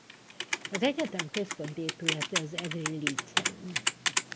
Az egyetem központi épülete az egri Líceum.